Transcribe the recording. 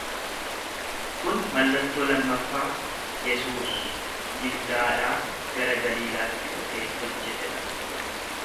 Kun mallattoo lammaffaa Yesuus Yihudaadhaa gara Galiilaatti dhufee hojjete dha.